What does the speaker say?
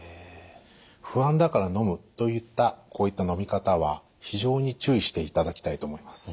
「不安だからのむ」といったこういったのみ方は非常に注意していただきたいと思います。